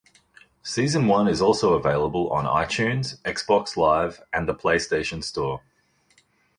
Season one is also available on iTunes, Xbox Live, and the PlayStation Store.